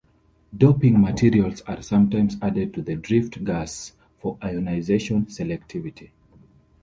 Doping materials are sometimes added to the drift gas for ionization selectivity.